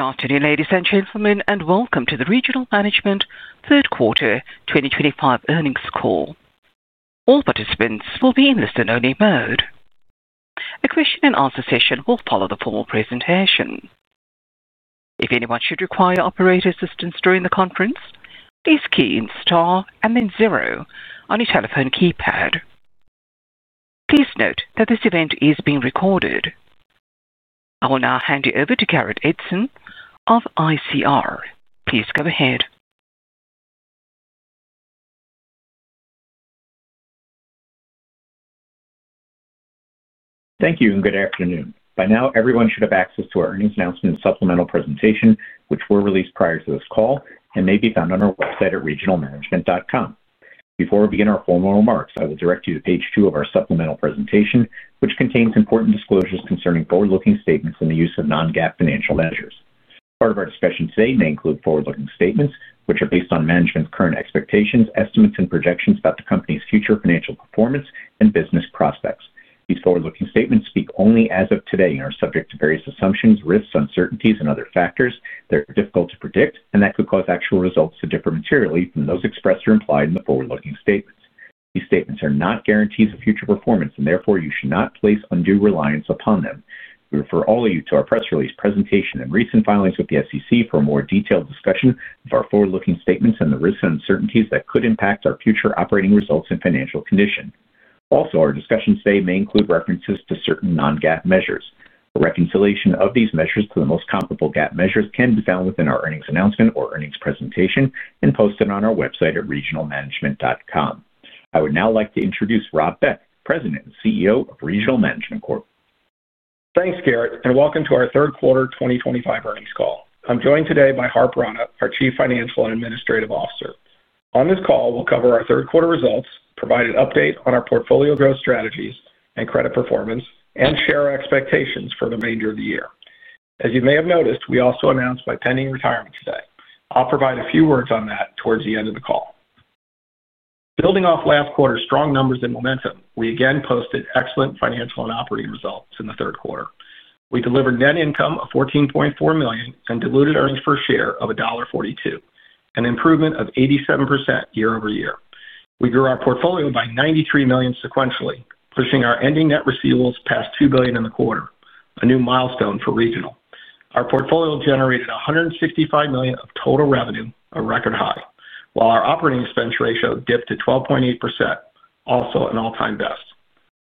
Started in ladies and gentlemen, and welcome to the Regional Management Third Quarter 2025 earnings call. All participants will be in listen-only mode. A question-and-answer session will follow the formal presentation. If anyone should require operator assistance during the conference, please key in star and then zero on your telephone keypad. Please note that this event is being recorded. I will now hand you over to Garrett Edson of ICR. Please go ahead. Thank you and good afternoon. By now, everyone should have access to our earnings announcement and supplemental presentation, which were released prior to this call and may be found on our website at regionalmanagement.com. Before we begin our formal remarks, I will direct you to page two of our supplemental presentation, which contains important disclosures concerning forward-looking statements and the use of non-GAAP financial measures. Part of our discussion today may include forward-looking statements, which are based on management's current expectations, estimates, and projections about the company's future financial performance and business prospects. These forward-looking statements speak only as of today and are subject to various assumptions, risks, uncertainties, and other factors that are difficult to predict, and that could cause actual results to differ materially from those expressed or implied in the forward-looking statements. These statements are not guarantees of future performance, and therefore you should not place undue reliance upon them. We refer all of you to our press release, presentation, and recent filings with the SEC for a more detailed discussion of our forward-looking statements and the risks and uncertainties that could impact our future operating results and financial condition. Also, our discussion today may include references to certain non-GAAP measures. A reconciliation of these measures to the most comparable GAAP measures can be found within our earnings announcement or earnings presentation and posted on our website at regionalmanagement.com. I would now like to introduce Rob Beck, President and CEO of Regional Management Corp. Thanks, Garrett, and welcome to our Third Quarter 2025 earnings call. I'm joined today by Harp Rana, our Chief Financial and Administrative Officer. On this call, we'll cover our third-quarter results, provide an update on our portfolio growth strategies and credit performance, and share our expectations for the remainder of the year. As you may have noticed, we also announced my pending retirement today. I'll provide a few words on that towards the end of the call. Building off last quarter's strong numbers and momentum, we again posted excellent financial and operating results in the third quarter. We delivered net income of $14.4 million and diluted earnings per share of $1.42, an improvement of 87% year-over-year. We grew our portfolio by $93 million sequentially, pushing our ending net receivables past $2 billion in the quarter, a new milestone for Regional. Our portfolio generated $165 million of total revenue, a record high, while our operating expense ratio dipped to 12.8%, also an all-time best.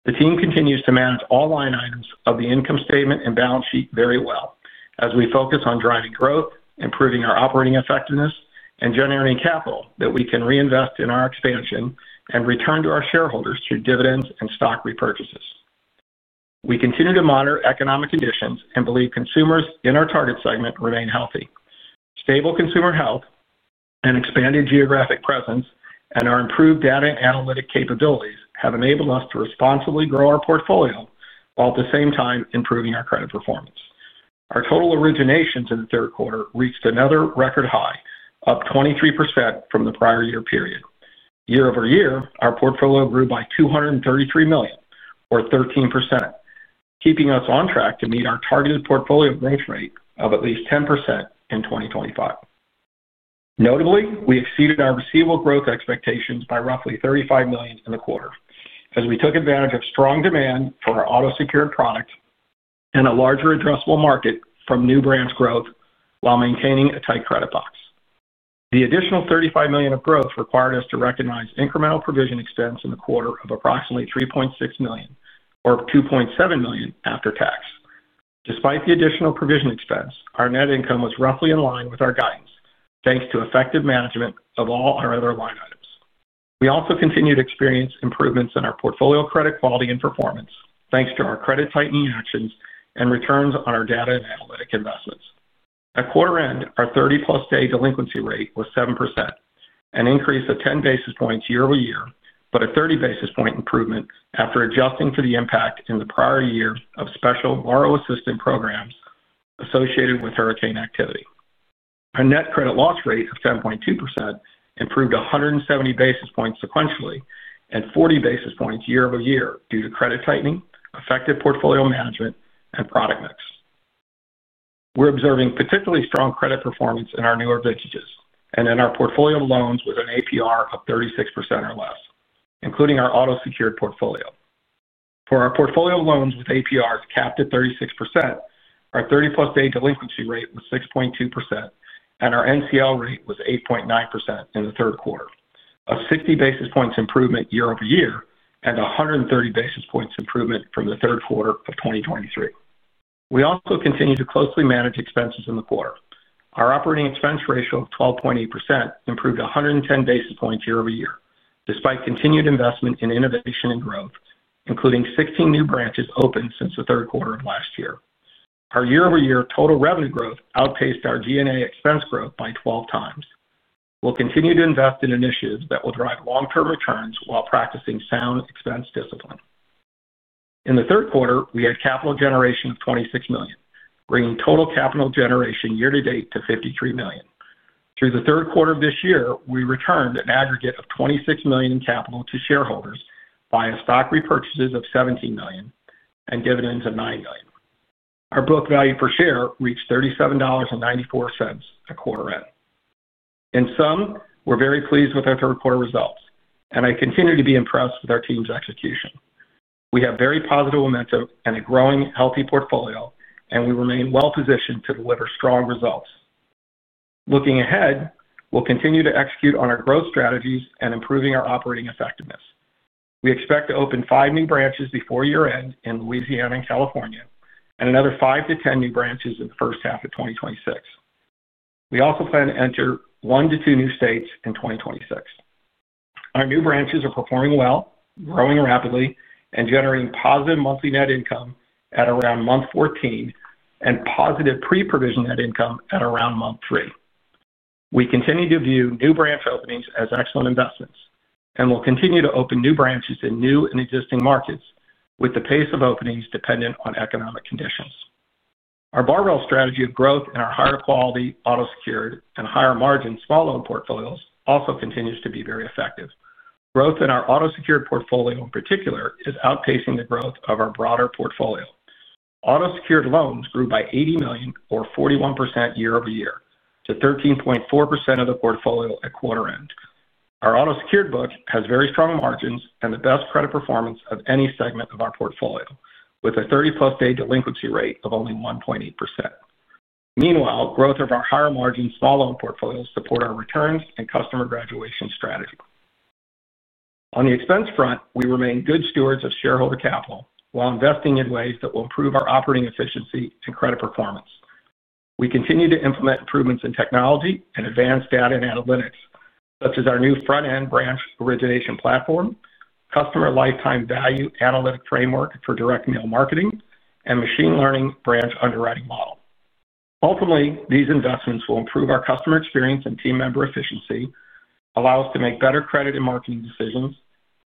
The team continues to manage all line items of the income statement and balance sheet very well as we focus on driving growth, improving our operating effectiveness, and generating capital that we can reinvest in our expansion and return to our shareholders through dividends and stock repurchases. We continue to monitor economic conditions and believe consumers in our target segment remain healthy. Stable consumer health and expanded geographic presence and our improved data and analytic capabilities have enabled us to responsibly grow our portfolio while at the same time improving our credit performance. Our total originations in the third quarter reached another record high, up 23% from the prior year period. Year-over-year, our portfolio grew by $233 million, or 13%, keeping us on track to meet our targeted portfolio growth rate of at least 10% in 2025. Notably, we exceeded our receivable growth expectations by roughly $35 million in the quarter as we took advantage of strong demand for our auto-secured product and a larger addressable market from new branch growth while maintaining a tight credit box. The additional $35 million of growth required us to recognize incremental provision expense in the quarter of approximately $3.6 million, or $2.7 million after tax. Despite the additional provision expense, our net income was roughly in line with our guidance thanks to effective management of all our other line items. We also continued to experience improvements in our portfolio credit quality and performance thanks to our credit-tightening actions and returns on our data and analytic investments. At quarter-end, our 30-plus-day delinquency rate was 7%, an increase of 10 basis points year-over-year, but a 30-basis-point improvement after adjusting for the impact in the prior year of special borrower assistance programs associated with hurricane activity. Our net credit loss rate of 7.2% improved 170 basis points sequentially and 40 basis points year-over-year due to credit-tightening, effective portfolio management, and product mix. We're observing particularly strong credit performance in our newer vintages and in our portfolio loans with an APR of 36% or less, including our auto-secured portfolio. For our portfolio loans with APRs capped at 36%, our 30-plus-day delinquency rate was 6.2%, and our NCL rate was 8.9% in the third quarter, a 60-basis-point improvement year- over-year and 130-basis-point improvement from the third quarter of 2023. We also continue to closely manage expenses in the quarter. Our operating expense ratio of 12.8% improved 110 basis points year-over-year, despite continued investment in innovation and growth, including 16 new branches opened since the third quarter of last year. Our year-over-year total revenue growth outpaced our G&A expense growth by 12x. We'll continue to invest in initiatives that will drive long-term returns while practicing sound expense discipline. In the third quarter, we had capital generation of $26 million, bringing total capital generation year to date to $53 million. Through the third quarter of this year, we returned an aggregate of $26 million in capital to shareholders via stock repurchases of $17 million and dividends of $9 million. Our book value per share reached $37.94 at quarter-end. In sum, we're very pleased with our third-quarter results, and I continue to be impressed with our team's execution. We have very positive momentum and a growing, healthy portfolio, and we remain well-positioned to deliver strong results. Looking ahead, we'll continue to execute on our growth strategies and improving our operating effectiveness. We expect to open five new branches before year-end in Louisiana and California, and another 5-10 new branches in the first half of 2026. We also plan to enter one to two new states in 2026. Our new branches are performing well, growing rapidly, and generating positive monthly net income at around month 14 and positive pre-provision net income at around month 3. We continue to view new branch openings as excellent investments, and we'll continue to open new branches in new and existing markets with the pace of openings dependent on economic conditions. Our Barbell strategy of growth and our higher-quality auto-secured and higher-margin small-loan portfolios also continues to be very effective. Growth in our auto-secured portfolio, in particular, is outpacing the growth of our broader portfolio. Auto-secured loans grew by $80 million, or 41% year-over-year, to 13.4% of the portfolio at quarter-end. Our auto-secured book has very strong margins and the best credit performance of any segment of our portfolio, with a 30-plus-day delinquency rate of only 1.8%. Meanwhile, growth of our higher-margin small-loan portfolios supports our returns and customer graduation strategy. On the expense front, we remain good stewards of shareholder capital while investing in ways that will improve our operating efficiency and credit performance. We continue to implement improvements in technology and advanced data and analytics, such as our new front-end branch origination platform, customer lifetime value analytic framework for direct mail marketing, and machine learning branch underwriting model. Ultimately, these investments will improve our customer experience and team member efficiency, allow us to make better credit and marketing decisions,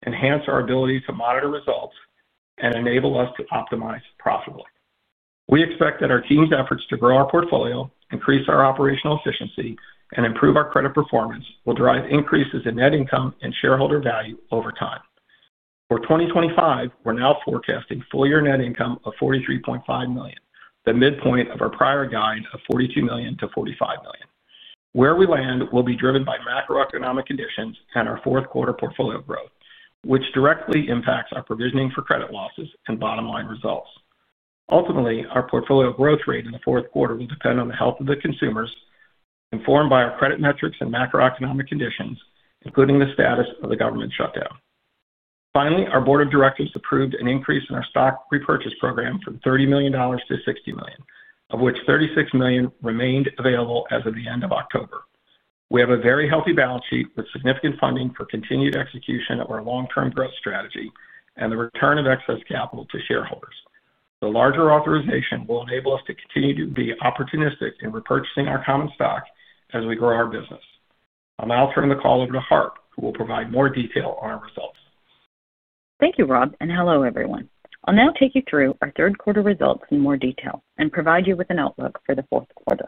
enhance our ability to monitor results, and enable us to optimize profitably. We expect that our team's efforts to grow our portfolio, increase our operational efficiency, and improve our credit performance will drive increases in net income and shareholder value over time. For 2025, we're now forecasting full-year net income of $43.5 million, the midpoint of our prior guide of $42 million-$45 million. Where we land will be driven by macroeconomic conditions and our fourth-quarter portfolio growth, which directly impacts our provisioning for credit losses and bottom-line results. Ultimately, our portfolio growth rate in the fourth quarter will depend on the health of the consumers, informed by our credit metrics and macroeconomic conditions, including the status of the government shutdown. Finally, our board of directors approved an increase in our stock repurchase program from $30 million-$60 million, of which $36 million remained available as of the end of October. We have a very healthy balance sheet with significant funding for continued execution of our long-term growth strategy and the return of excess capital to shareholders. The larger authorization will enable us to continue to be opportunistic in repurchasing our common stock as we grow our business. I'll now turn the call over to Harp, who will provide more detail on our results. Thank you, Rob, and hello, everyone. I'll now take you through our third-quarter results in more detail and provide you with an outlook for the fourth quarter.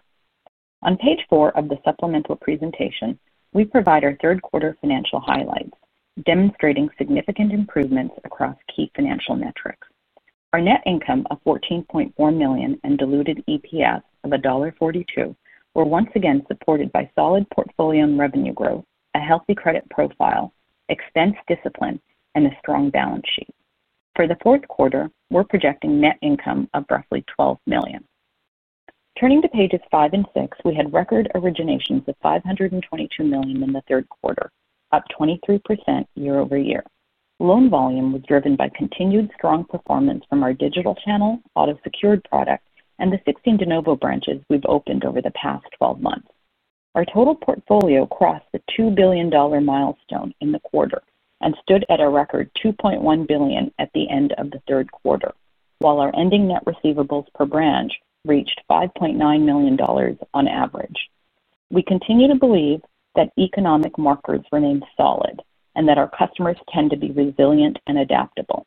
On page four of the supplemental presentation, we provide our third-quarter financial highlights, demonstrating significant improvements across key financial metrics. Our net income of $14.4 million and diluted EPS of $1.42 were once again supported by solid portfolio and revenue growth, a healthy credit profile, expense discipline, and a strong balance sheet. For the fourth quarter, we're projecting net income of roughly $12 million. Turning to pages five and six, we had record originations of $522 million in the third quarter, up 23% year-over-year. Loan volume was driven by continued strong performance from our digital channel, auto-secured product, and the 16 DeNovo branches we've opened over the past 12 months. Our total portfolio crossed the $2 billion milestone in the quarter and stood at a record $2.1 billion at the end of the third quarter, while our ending net receivables per branch reached $5.9 million on average. We continue to believe that economic markers remain solid and that our customers tend to be resilient and adaptable.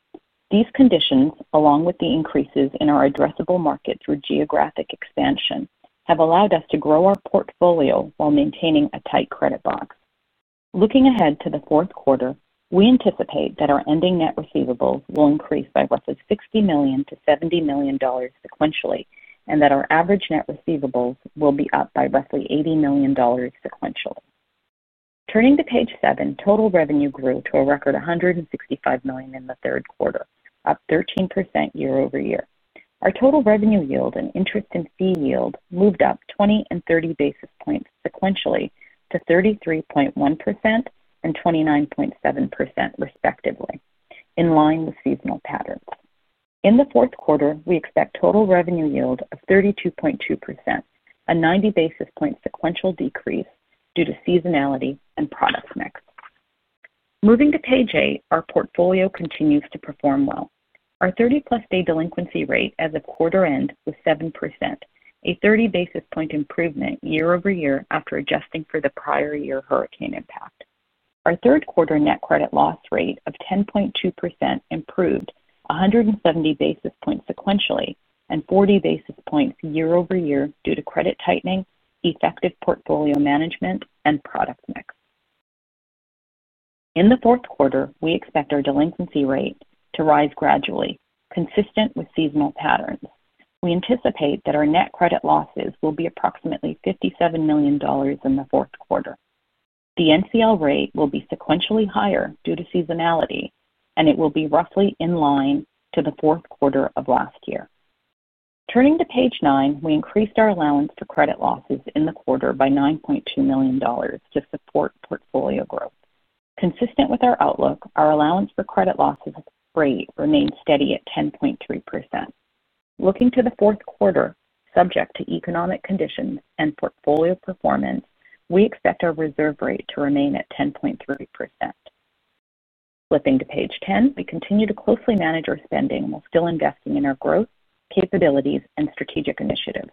These conditions, along with the increases in our addressable market through geographic expansion, have allowed us to grow our portfolio while maintaining a tight credit box. Looking ahead to the fourth quarter, we anticipate that our ending net receivables will increase by roughly $60 million-$70 million sequentially and that our average net receivables will be up by roughly $80 million sequentially. Turning to page seven, total revenue grew to a record $165 million in the third quarter, up 13% year-over-year. Our total revenue yield and interest and fee yield moved up 20 and 30 basis points sequentially to 33.1% and 29.7%, respectively, in line with seasonal patterns. In the fourth quarter, we expect total revenue yield of 32.2%, a 90-basis-point sequential decrease due to seasonality and product mix. Moving to page eight, our portfolio continues to perform well. Our 30-plus-day delinquency rate as of quarter-end was 7%, a 30-basis-point improvement year-over- year after adjusting for the prior year hurricane impact. Our third-quarter net credit loss rate of 10.2% improved 170 basis points sequentially and 40 basis points year-over-year due to credit tightening, effective portfolio management, and product mix. In the fourth quarter, we expect our delinquency rate to rise gradually, consistent with seasonal patterns. We anticipate that our net credit losses will be approximately $57 million in the fourth quarter. The NCL rate will be sequentially higher due to seasonality, and it will be roughly in line to the fourth quarter of last year. Turning to page nine, we increased our allowance for credit losses in the quarter by $9.2 million to support portfolio growth. Consistent with our outlook, our allowance for credit losses rate remains steady at 10.3%. Looking to the fourth quarter, subject to economic conditions and portfolio performance, we expect our reserve rate to remain at 10.3%. Flipping to page 10, we continue to closely manage our spending while still investing in our growth, capabilities, and strategic initiatives.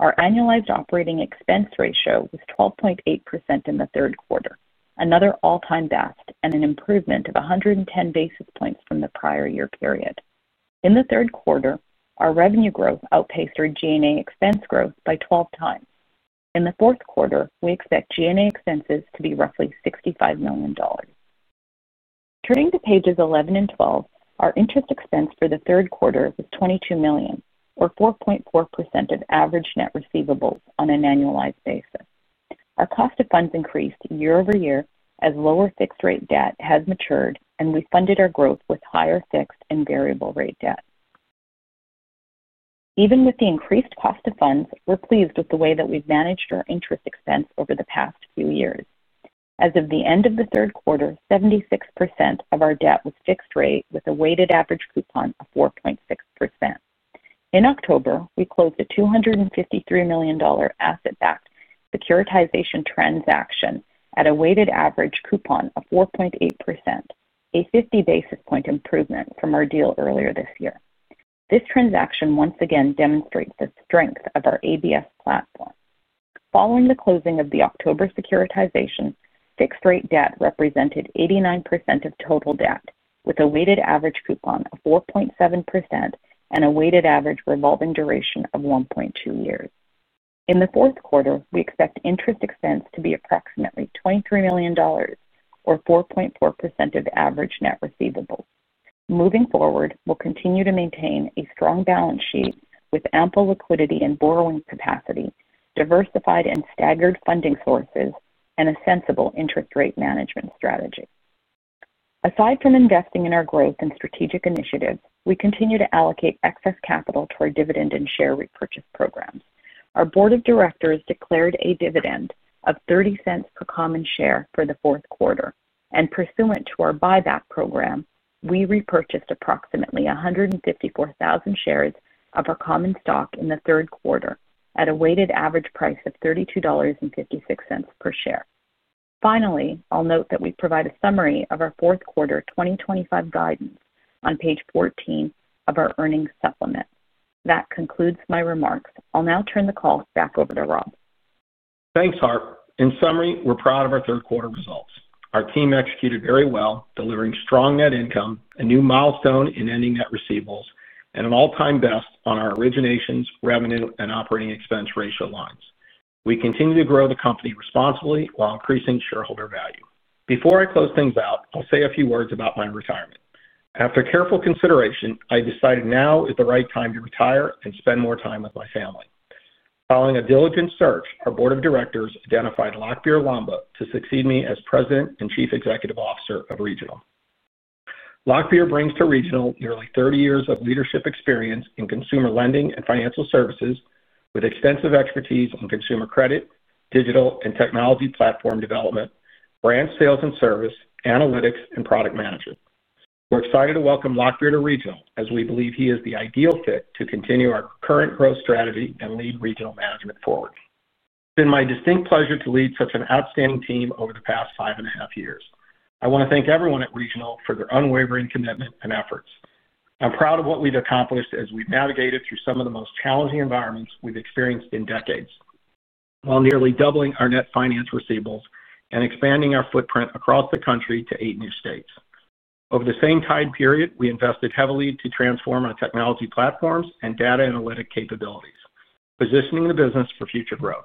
Our annualized operating expense ratio was 12.8% in the third quarter, another all-time best, and an improvement of 110 basis points from the prior year period. In the third quarter, our revenue growth outpaced our G&A expense growth by 12x. In the fourth quarter, we expect G&A expenses to be roughly $65 million. Turning to pages 11 and 12, our interest expense for the third quarter was $22 million, or 4.4% of average net receivables on an annualized basis. Our cost of funds increased year-over-year as lower fixed-rate debt has matured, and we funded our growth with higher fixed and variable-rate debt. Even with the increased cost of funds, we're pleased with the way that we've managed our interest expense over the past few years. As of the end of the third quarter, 76% of our debt was fixed-rate with a weighted average coupon of 4.6%. In October, we closed a $253 million asset-backed securitization transaction at a weighted average coupon of 4.8%, a 50-basis-point improvement from our deal earlier this year. This transaction once again demonstrates the strength of our ABS platform. Following the closing of the October securitization, fixed-rate debt represented 89% of total debt, with a weighted average coupon of 4.7% and a weighted average revolving duration of 1.2 years. In the fourth quarter, we expect interest expense to be approximately $23 million, or 4.4% of average net receivables. Moving forward, we'll continue to maintain a strong balance sheet with ample liquidity and borrowing capacity, diversified and staggered funding sources, and a sensible interest rate management strategy. Aside from investing in our growth and strategic initiatives, we continue to allocate excess capital toward dividend and share repurchase programs. Our board of directors declared a dividend of $0.30 per common share for the fourth quarter, and pursuant to our buyback program, we repurchased approximately 154,000 shares of our common stock in the third quarter at a weighted average price of $32.56 per share. Finally, I'll note that we provide a summary of our fourth quarter 2025 guidance on page 14 of our earnings supplement. That concludes my remarks. I'll now turn the call back over to Rob. Thanks, Harp. In summary, we're proud of our third-quarter results. Our team executed very well, delivering strong net income, a new milestone in ending net receivables, and an all-time best on our originations, revenue, and operating expense ratio lines. We continue to grow the company responsibly while increasing shareholder value. Before I close things out, I'll say a few words about my retirement. After careful consideration, I decided now is the right time to retire and spend more time with my family. Following a diligent search, our board of directors identified Lockbier Lomba to succeed me as President and Chief Executive Officer of Regional. Lockbier brings to Regional nearly 30 years of leadership experience in consumer lending and financial services, with extensive expertise in consumer credit, digital and technology platform development, branch sales and service, analytics, and product management. We're excited to welcome Lockbier to Regional, as we believe he is the ideal fit to continue our current growth strategy and lead Regional Management forward. It's been my distinct pleasure to lead such an outstanding team over the past five and a half years. I want to thank everyone at Regional for their unwavering commitment and efforts. I'm proud of what we've accomplished as we've navigated through some of the most challenging environments we've experienced in decades, while nearly doubling our net finance receivables and expanding our footprint across the country to eight new states. Over the same time period, we invested heavily to transform our technology platforms and data analytic capabilities, positioning the business for future growth.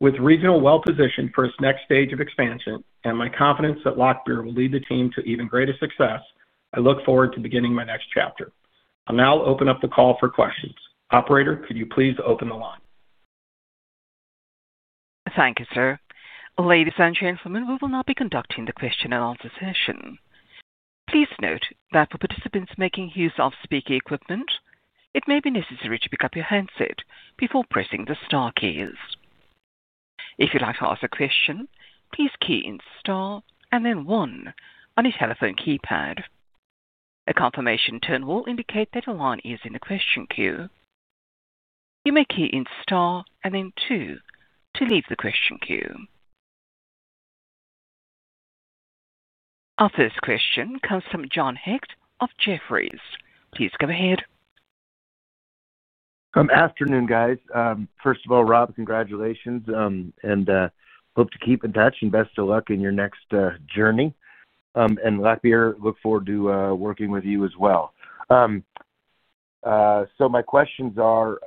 With Regional well-positioned for its next stage of expansion and my confidence that Lockbier will lead the team to even greater success, I look forward to beginning my next chapter. I'll now open up the call for questions. Operator, could you please open the line? Thank you, sir. Ladies and gentlemen, we will now be conducting the question-and-answer session. Please note that for participants making use of speaker equipment, it may be necessary to pick up your handset before pressing the star keys. If you'd like to ask a question, please key in star and then one on your telephone keypad. A confirmation tone will indicate that your line is in the question queue. You may key in star and then two to leave the question queue. Our first question comes from John Hecht of Jefferies. Please go ahead. Good afternoon, guys. First of all, Rob, congratulations, and hope to keep in touch, and best of luck in your next journey. Lockbier, look forward to working with you as well. My questions are,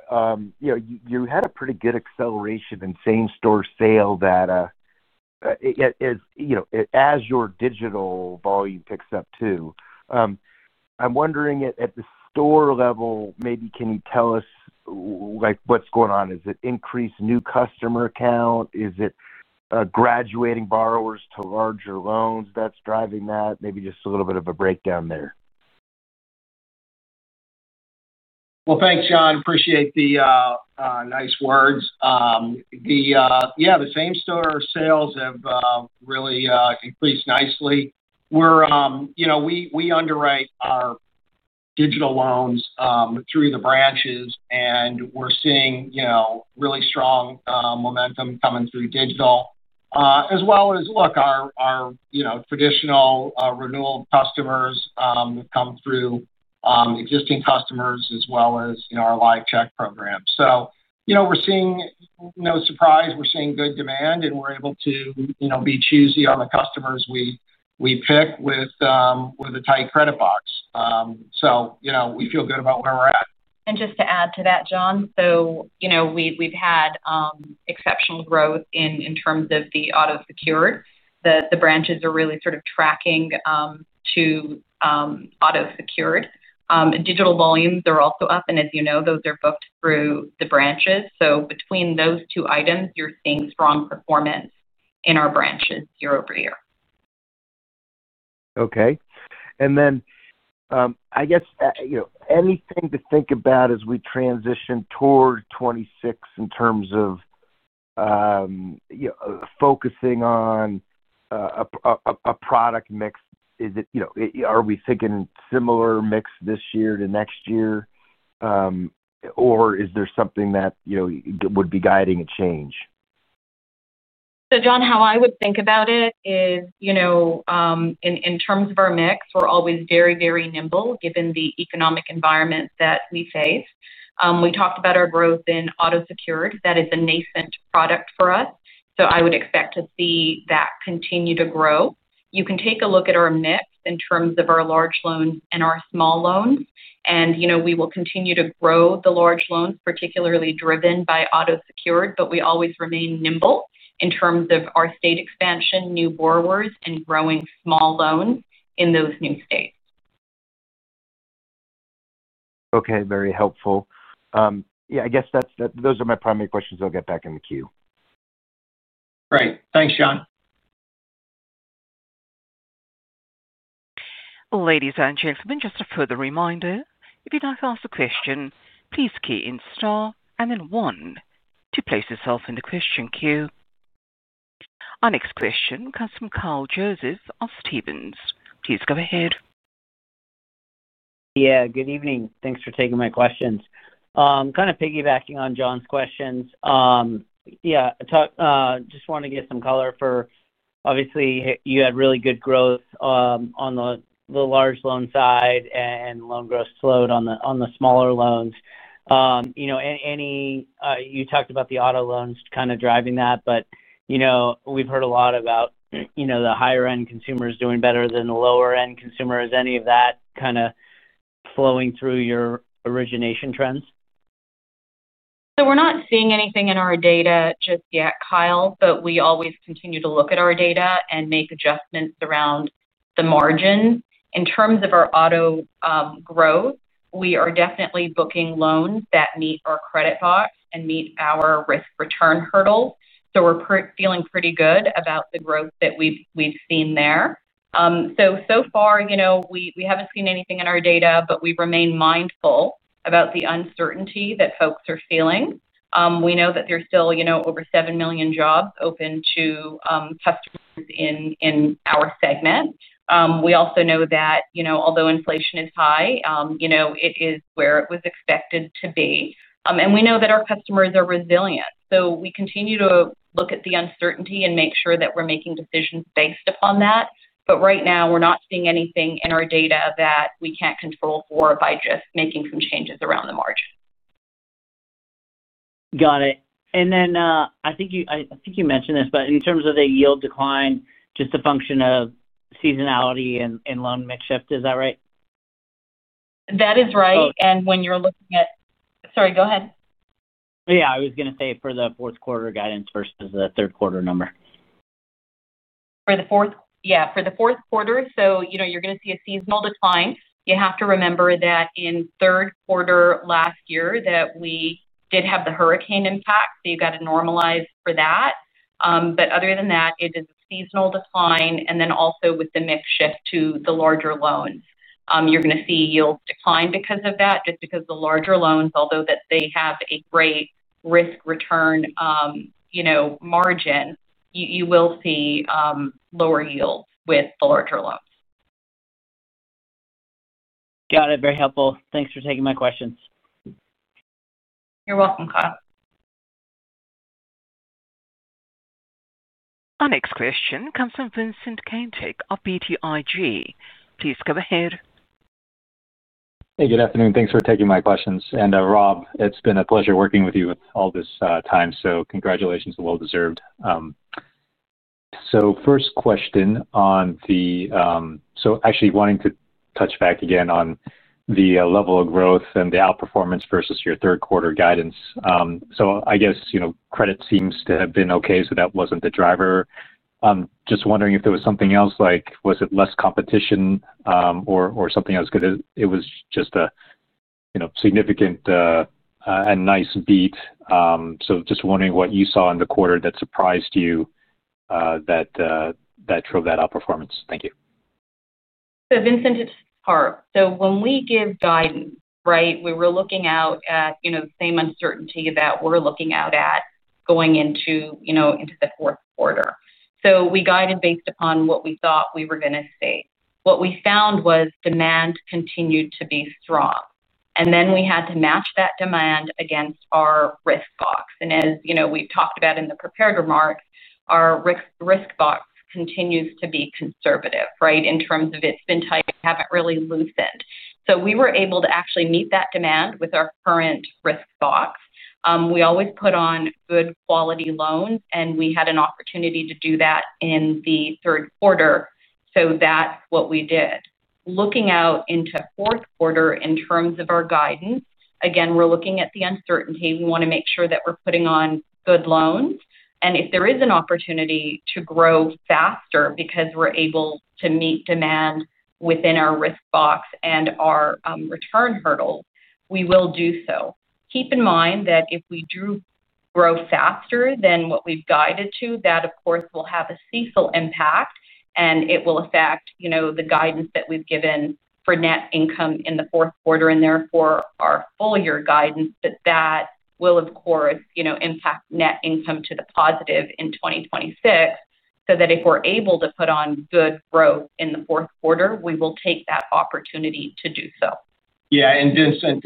you had a pretty good acceleration in same-store sale that. As your digital volume picks up too, I am wondering, at the store level, maybe can you tell us, what is going on? Is it increased new customer count? Is it graduating borrowers to larger loans that is driving that? Maybe just a little bit of a breakdown there. Thanks, John. Appreciate the nice words. Yeah, the same-store sales have really increased nicely. We underwrite our digital loans through the branches, and we're seeing really strong momentum coming through digital, as well as, look, our traditional renewal customers have come through. Existing customers, as well as our live check program. So we're seeing no surprise. We're seeing good demand, and we're able to be choosy on the customers we pick with a tight credit box. So we feel good about where we're at. Just to add to that, John, we have had exceptional growth in terms of the auto-secured. The branches are really sort of tracking to auto-secured. Digital volumes are also up, and as you know, those are booked through the branches. Between those two items, you are seeing strong performance in our branches year-over- year. Okay. And then, I guess. Anything to think about as we transition toward 2026 in terms of. Focusing on. A product mix? Are we thinking similar mix this year to next year, or is there something that would be guiding a change? John, how I would think about it is, in terms of our mix, we're always very, very nimble given the economic environment that we face. We talked about our growth in auto-secured. That is a nascent product for us. I would expect to see that continue to grow. You can take a look at our mix in terms of our large loans and our small loans. We will continue to grow the large loans, particularly driven by auto-secured, but we always remain nimble in terms of our state expansion, new borrowers, and growing small loans in those new states. Okay. Very helpful. Yeah, I guess those are my primary questions. I'll get back in the queue. Great. Thanks, John. Ladies and gentlemen, just a further reminder, if you'd like to ask a question, please key in star and then one to place yourself in the question queue. Our next question comes from Carl Joseph of Stevens. Please go ahead. Yeah. Good evening. Thanks for taking my questions. Kind of piggybacking on John's questions. Yeah. Just wanted to get some color for, obviously, you had really good growth on the large loan side and loan growth slowed on the smaller loans. You talked about the auto loans kind of driving that, but we've heard a lot about the higher-end consumers doing better than the lower-end consumers. Any of that kind of flowing through your origination trends? We're not seeing anything in our data just yet, Kyle, but we always continue to look at our data and make adjustments around the margin. In terms of our auto growth, we are definitely booking loans that meet our credit box and meet our risk return hurdles. We're feeling pretty good about the growth that we've seen there. So far, we haven't seen anything in our data, but we remain mindful about the uncertainty that folks are feeling. We know that there's still over 7 million jobs open to customers in our segment. We also know that although inflation is high, it is where it was expected to be. We know that our customers are resilient. We continue to look at the uncertainty and make sure that we're making decisions based upon that. Right now, we're not seeing anything in our data that we can't control for by just making some changes around the margin. Got it. I think you mentioned this, but in terms of the yield decline, just a function of seasonality and loan mix shift, is that right? That is right. And when you're looking at—sorry, go ahead. Yeah. I was going to say for the fourth quarter guidance versus the third quarter number. Yeah. For the fourth quarter, you are going to see a seasonal decline. You have to remember that in third quarter last year that we did have the hurricane impact. You have to normalize for that. Other than that, it is a seasonal decline. Also, with the mix shift to the larger loans, you are going to see yields decline because of that, just because the larger loans, although they have a great risk-return margin, you will see lower yields with the larger loans. Got it. Very helpful. Thanks for taking my questions. You're welcome, Carl. Our next question comes from Vincent Caintic of BTIG. Please go ahead. Hey, good afternoon. Thanks for taking my questions. Rob, it's been a pleasure working with you all this time. Congratulations, well-deserved. First question on the— actually wanting to touch back again on the level of growth and the outperformance versus your third-quarter guidance. I guess credit seems to have been okay, so that wasn't the driver. Just wondering if there was something else, like was it less competition or something else? Because it was just significant. Nice beat. Just wondering what you saw in the quarter that surprised you. That drove that outperformance. Thank you. Vincent, it's Harp. When we give guidance, right, we were looking out at the same uncertainty that we're looking out at going into the fourth quarter. We guided based upon what we thought we were going to see. What we found was demand continued to be strong. We had to match that demand against our risk box. As we've talked about in the prepared remarks, our risk box continues to be conservative, right, in terms of it's been tight. It hasn't really loosened. We were able to actually meet that demand with our current risk box. We always put on good quality loans, and we had an opportunity to do that in the third quarter. That's what we did. Looking out into the fourth quarter in terms of our guidance, again, we're looking at the uncertainty. We want to make sure that we're putting on good loans. If there is an opportunity to grow faster because we're able to meet demand within our risk box and our return hurdles, we will do so. Keep in mind that if we do grow faster than what we've guided to, that, of course, will have a ceaseful impact, and it will affect the guidance that we've given for net income in the fourth quarter and therefore our full-year guidance. That will, of course, impact net income to the positive in 2026 so that if we're able to put on good growth in the fourth quarter, we will take that opportunity to do so. Yeah. And Vincent,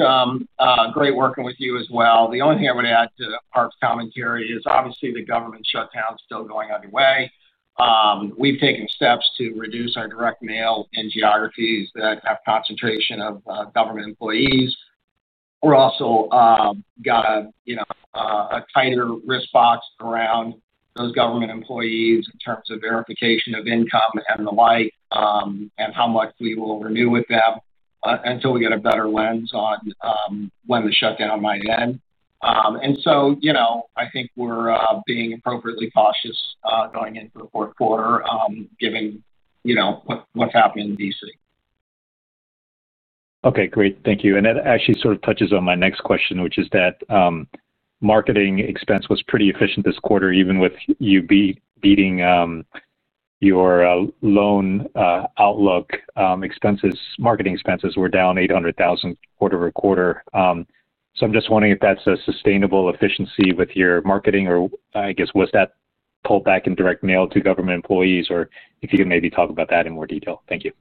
great working with you as well. The only thing I would add to Harp's commentary is obviously the government shutdown still going underway. We've taken steps to reduce our direct mail in geographies that have concentration of government employees. We're also got a tighter risk box around those government employees in terms of verification of income and the like and how much we will renew with them until we get a better lens on when the shutdown might end. I think we're being appropriately cautious going into the fourth quarter given what's happening in Washington, D.C. Okay. Great. Thank you. That actually sort of touches on my next question, which is that marketing expense was pretty efficient this quarter, even with you beating your loan outlook expenses. Marketing expenses were down $800,000 quarter-over-quarter. I'm just wondering if that's a sustainable efficiency with your marketing, or I guess was that pulled back in direct mail to government employees, or if you can maybe talk about that in more detail. Thank you.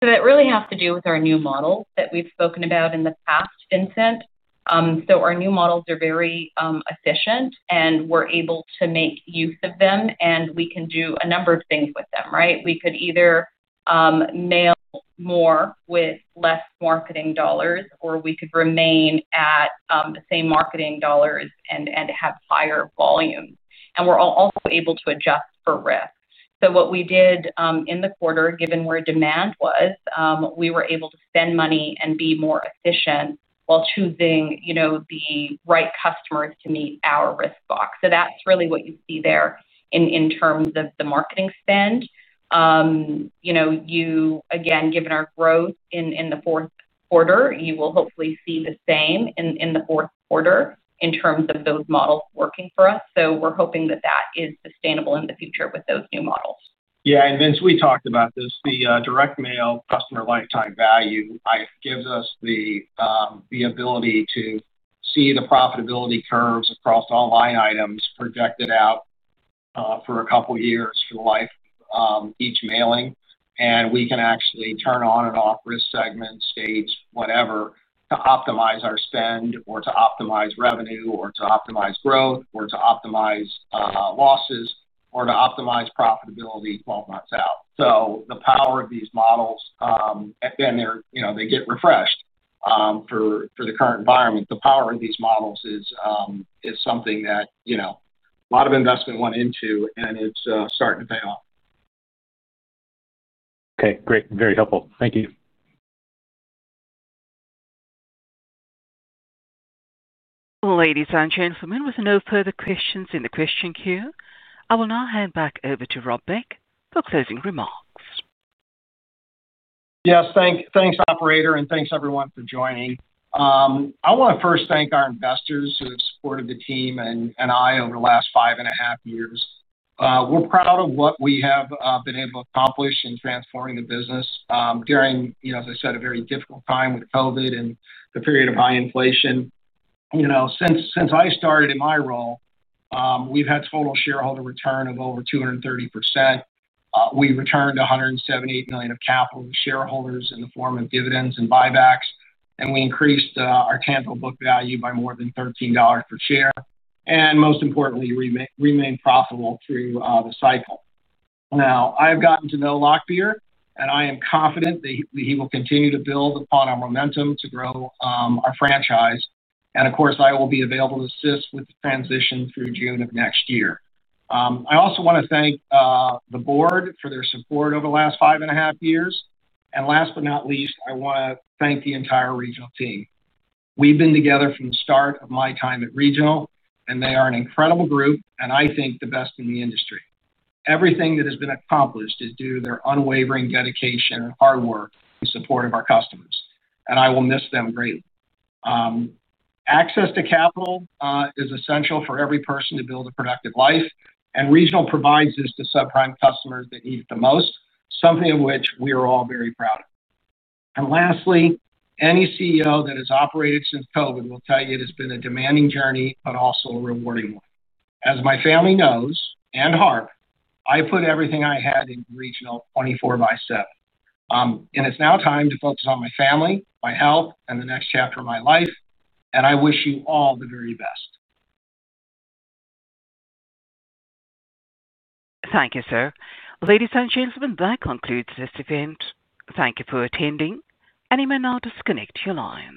That really has to do with our new model that we've spoken about in the past, Vincent. Our new models are very efficient, and we're able to make use of them, and we can do a number of things with them, right? We could either mail more with less marketing dollars, or we could remain at the same marketing dollars and have higher volume. We're also able to adjust for risk. What we did in the quarter, given where demand was, we were able to spend money and be more efficient while choosing the right customers to meet our risk box. That's really what you see there in terms of the marketing spend. Again, given our growth in the fourth quarter, you will hopefully see the same in the fourth quarter in terms of those models working for us. We're hoping that that is sustainable in the future with those new models. Yeah. Vince, we talked about this. The direct mail customer lifetime value gives us the ability to see the profitability curves across all line items projected out for a couple of years for the life of each mailing. We can actually turn on and off risk segments, stages, whatever, to optimize our spend or to optimize revenue or to optimize growth or to optimize losses or to optimize profitability 12 months out. The power of these models, and they get refreshed for the current environment, the power of these models is something that a lot of investment went into, and it's starting to pay off. Okay. Great. Very helpful. Thank you. Ladies and gentlemen, with no further questions in the question queue, I will now hand back over to Rob Beck for closing remarks. Yes. Thanks, operator, and thanks, everyone, for joining. I want to first thank our investors who have supported the team and I over the last five and a half years. We're proud of what we have been able to accomplish in transforming the business during, as I said, a very difficult time with COVID and the period of high inflation. Since I started in my role, we've had total shareholder return of over 230%. We returned $178 million of capital to shareholders in the form of dividends and buybacks. We increased our tangible book value by more than $13 per share. Most importantly, we remained profitable through the cycle. I have gotten to know Lockbier, and I am confident that he will continue to build upon our momentum to grow our franchise. Of course, I will be available to assist with the transition through June of next year. I also want to thank the board for their support over the last five and a half years. Last but not least, I want to thank the entire regional team. We have been together from the start of my time at Regional, and they are an incredible group, and I think the best in the industry. Everything that has been accomplished is due to their unwavering dedication and hard work in support of our customers. I will miss them greatly. Access to capital is essential for every person to build a productive life, and Regional provides this to subprime customers that need it the most, something of which we are all very proud of. Lastly, any CEO that has operated since COVID will tell you it has been a demanding journey, but also a rewarding one. As my family knows, and Harp, I put everything I had in Regional 24 by 7. It is now time to focus on my family, my health, and the next chapter of my life. I wish you all the very best. Thank you, sir. Ladies and gentlemen, that concludes this event. Thank you for attending, and you may now disconnect your line.